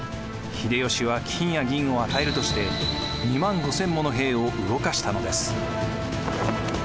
秀吉は金や銀を与えるとして２万５，０００もの兵を動かしたのです。